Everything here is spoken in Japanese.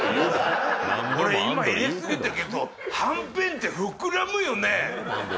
俺、今入れ過ぎたけど、はんぺんって膨らむよね。